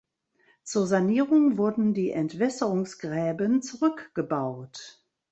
Zur Sanierung wurden die Entwässerungsgräben zurückgebaut.